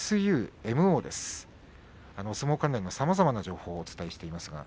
相撲関連のさまざまな情報をお伝えています。